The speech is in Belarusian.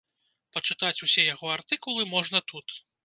Пачытаць усе яго артыкулы можна тут.